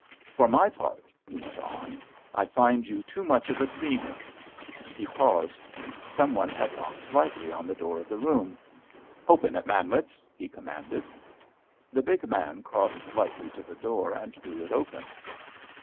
For my part," he went on, "I find you too much of a dreamer." He paused; some one had knocked lightly on the door of the room. "Open it, Manwitz!" he commanded. The big man crossed lightly to the door and drew it open.